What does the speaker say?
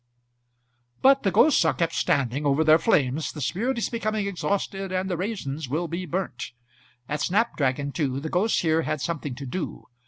But the ghosts are kept standing over their flames, the spirit is becoming exhausted, and the raisins will be burnt. At snap dragon, too, the ghosts here had something to do.